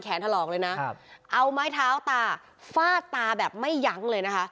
เอาไม้ท้าวตาฝ้าตาแบบไม่หยังเลยนะคะ